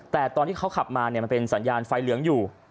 แต่ตอนที่เขาขับมามันเป็นสัญญาณไฟเหลืองอยู่